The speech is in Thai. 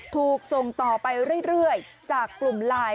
ถูกส่งต่อไปเรื่อยจากกลุ่มไลน์